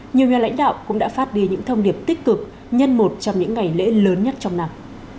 nhiều nhà lãnh đạo cũng đã phát đi những thông điệp tích cực nhân một trong những ngày lễ lớn nhất trong năm